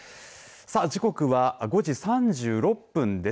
時刻は５時３６分です。